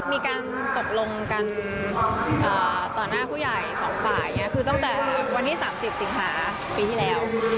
มีการตกลงกันต่อหน้าผู้ใหญ่สองฝ่ายคือตั้งแต่วันที่๓๐สิงหาปีที่แล้ว